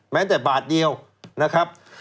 แม้แต่บาทเดียวนะครับ